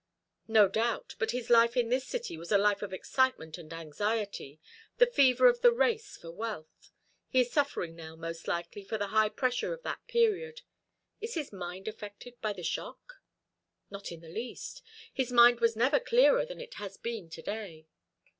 "No doubt; but his life in this city was a life of excitement and anxiety, the fever of the race for wealth. He is suffering now, most likely, for the high pressure of that period. Is his mind affected by the shock?" "Not in the least. His mind was never clearer than it has been to day."